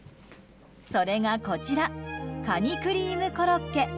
それが、こちらカニクリームコロッケ。